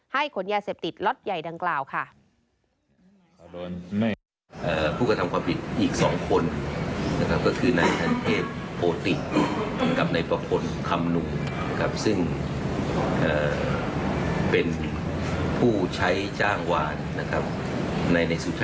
ขนยาเสพติดล็อตใหญ่ดังกล่าวค่ะ